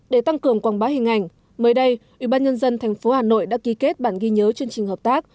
để tăng cường quảng bá hình ảnh mới đây ubnd tp hà nội đã ký kết bản ghi nhớ chương trình hợp tác